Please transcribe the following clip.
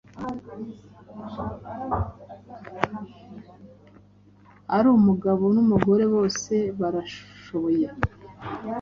Ari umugabo n’umugore bose barashoboye